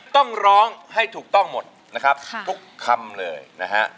ต้องร้องให้ถูกต้องหมดนะครับทุกคำเลยนะฮะ